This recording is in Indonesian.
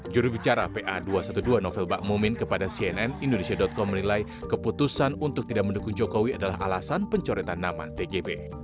jurubicara pa dua ratus dua belas novel bakmumin ⁇ kepada cnn indonesia com menilai keputusan untuk tidak mendukung jokowi adalah alasan pencoretan nama tgb